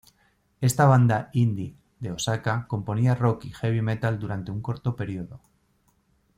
Esta banda indie de Osaka componía rock y heavy metal durante un corto período.